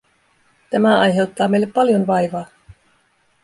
Tämä aiheuttaa meille paljon vaivaa.